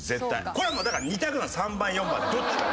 これはもうだから２択なんです３番４番どっちか。